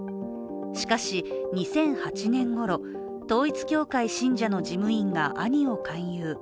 しかし、２００８年ごろ、統一教会信者の事務員が兄を勧誘。